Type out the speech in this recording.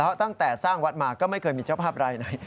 เพราะตั้งแต่สร้างวัดมาก็ไม่เคยมีเจ้าภาพรายไหน